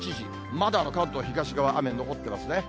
まだ関東東側、雨残ってますね。